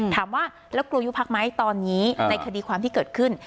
ถามว่าแล้วกลัวยุบพักไหมตอนนี้ในคดีความที่เกิดขึ้น